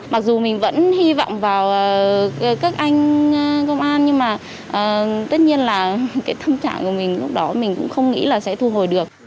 mặc dù mình vẫn hy vọng vào các anh công an nhưng mà tất nhiên là cái tâm trạng của mình lúc đó mình cũng không nghĩ là sẽ thu hồi được